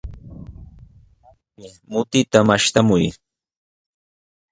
Makshi, mutita mashtamuy.